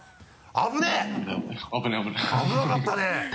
危なかったね。